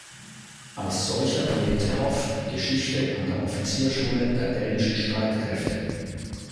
Als solcher lehrte Hoff Geschichte an der Offiziersschule der dänischen Streitkräfte.